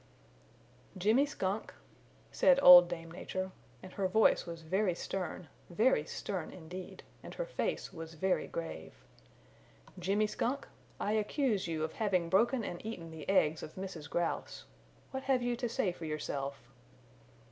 "Jimmy Skunk," said Old Dame Nature, and her voice was very stern, very stern indeed, and her face was very grave. "Jimmy Skunk, I accuse you of having broken and eaten the eggs of Mrs. Grouse. What have you to say for yourself?"